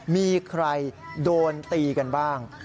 มีใครโดนตีกันบ้าง